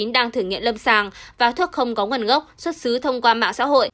đang thử nghiệm lâm sàng và thuốc không có nguồn gốc xuất xứ thông qua mạng xã hội